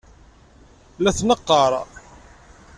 La t-neqqar.